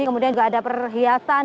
kemudian juga ada perhiasan